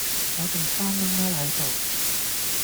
我仲生勾勾係度